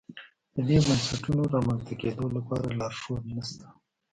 د دې بنسټونو رامنځته کېدو لپاره لارښود نه شته.